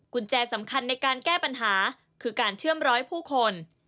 แจสำคัญในการแก้ปัญหาคือการเชื่อมร้อยผู้คน